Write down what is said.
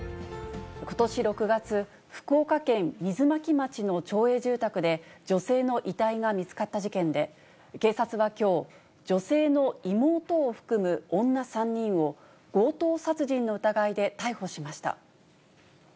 ことし６月、福岡県水巻町の町営住宅で女性の遺体が見つかった事件で、警察はきょう、女性の妹を含む女３人を、強盗殺人の疑いで逮捕しました。